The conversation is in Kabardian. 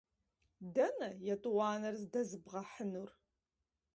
Дэнэ етӀуанэр здэзбгъэхьынур?